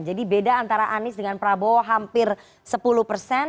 beda antara anies dengan prabowo hampir sepuluh persen